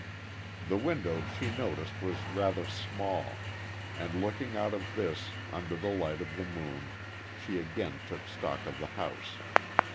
The window she noticed was rather small, and looking out of this, under the light of the moon, she again took stock of the house.